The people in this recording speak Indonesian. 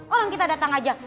orang kita datang aja